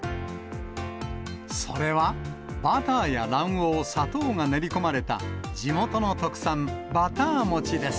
それは、バターや卵黄、砂糖が練り込まれた、地元の特産、バター餅です。